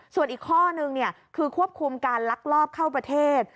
ส่วนอีกข้อนึงคือควบคุมการลักลอบเข้าประเทศ